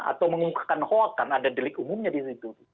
atau mengungkakan hoa karena ada delik umumnya di situ